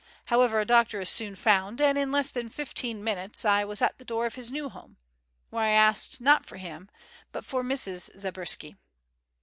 However, a doctor is soon found, and in less than fifteen, minutes I was at the door of his new home, where I asked, not for him, but for Mrs. Zabriskie.